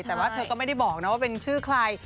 แต่ว่าเธอก็ไม่ได้บอกนะว่าเป็นชื่อใคร